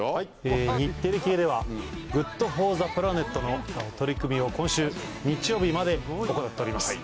日テレ系ではＧｏｏｄＦｏｒｔｈｅＰｌａｎｅｔの取り組みを今週日曜日まで行っております。